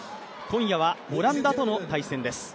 今夜はオランダとの対戦です。